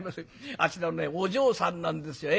あちらのねお嬢さんなんですよ。